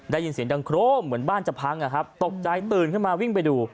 ได้ยินเสียงดังโครมเหมือนบ้านจะพังอะครับตกใจตื่นขึ้นมาวิ่งไปดู